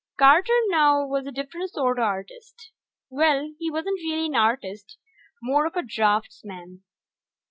Carter, now, was a different sorta artist. Well, he wasn't really an artist more of a draftsman.